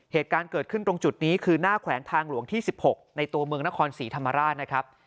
เหตุการณ์เกิดขึ้นตรงจุดนี้คือหน้าแขวงทางหลวงที่๑๖ในตัวเมืองนครศรีธรรมราชนะครับ